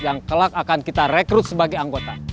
yang kelak akan kita rekrut sebagai anggota